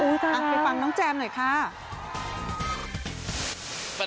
อุ๊ยตายแล้วไปฟังน้องแจมหน่อยค่ะ